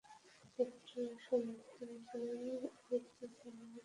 একটু সন্দিহান ছিলেন, আগের দিন শনিবার ছিল বলে সমাগম বেশি হয়েছে।